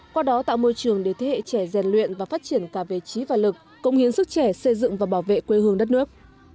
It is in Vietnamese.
qua đó tạo môi trường để thế hệ trẻ rèn luyện và phát triển cả về trí và lực cộng hiến sức trẻ xây dựng và bảo vệ quê hương đất nước